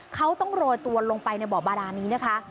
เขาต้องโรยตัวลงไปในบ่อบาดานี้นะคะ